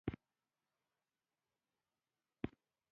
بیا به نوي ستونزې پیدا شي.